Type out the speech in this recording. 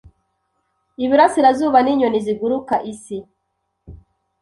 iburasirazuba Ninyoni ziguruka Isi